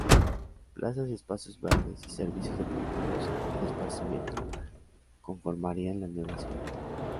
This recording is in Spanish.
Plazas y espacios verdes, y servicios deportivos y de esparcimiento, conformarían la nueva ciudad.